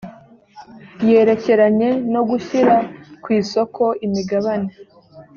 yerekeranye no gushyira ku isoko imigabane